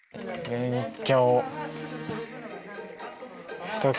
勉強。